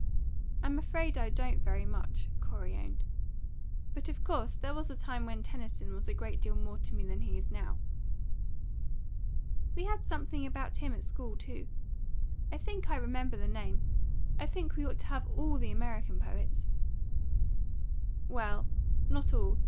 "I'm afraid I don't very much," Corey owned. "But, of course, there was a time when Tennyson was a great deal more to me than he is now." "We had something about him at school too. I think I remember the name. I think we ought to have ALL the American poets." "Well, not all.